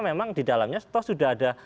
memang di dalamnya toh sudah ada